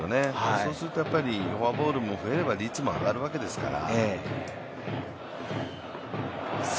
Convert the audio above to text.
そうするとフォアボールも増えれば率も上がるわけですから。